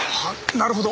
なるほど！